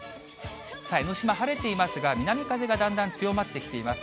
江の島、晴れていますが、南風がだんだん強まってきています。